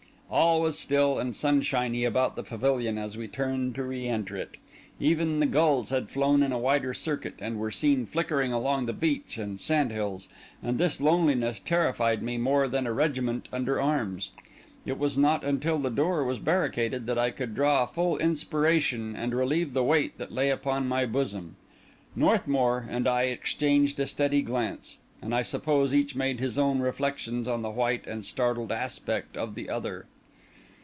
All was still and sunshiny about the pavilion as we turned to re enter it; even the gulls had flown in a wider circuit, and were seen flickering along the beach and sand hills; and this loneliness terrified me more than a regiment under arms. It was not until the door was barricaded that I could draw a full inspiration and relieve the weight that lay upon my bosom. Northmour and I exchanged a steady glance; and I suppose each made his own reflections on the white and startled aspect of the other.